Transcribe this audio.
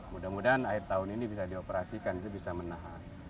mudah mudahan air tahun ini bisa dioperasikan bisa menahan